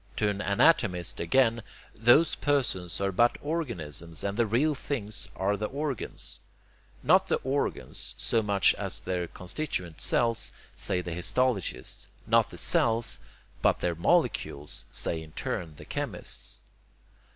To an anatomist, again, those persons are but organisms, and the real things are the organs. Not the organs, so much as their constituent cells, say the histologists; not the cells, but their molecules, say in turn the chemists.